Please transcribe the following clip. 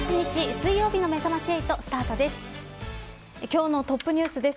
水曜日のめざまし８、スタートです。